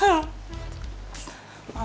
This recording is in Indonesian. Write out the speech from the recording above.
mama selalu jatuh cinta sama papa